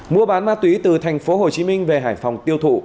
mua bán ma túy từ tp hcm về hải phòng tiêu thụ